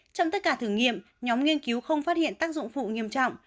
trong tất cả thử nghiệm nhóm nghiên cứu không phát hiện tác dụng phụ nghiêm trọng